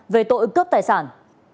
về tội cướp tài sản